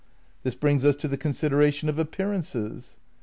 This brings us to the consideration of Appearances.